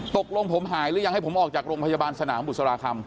ตกลงผมหายหรือยังให้ผมออกจากโรงพยาบาลสนามบุษราคำ